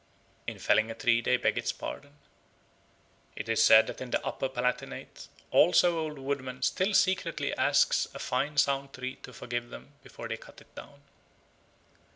In felling a tree they beg its pardon. It is said that in the Upper Palatinate also old woodmen still secretly ask a fine, sound tree to forgive them before they cut it down.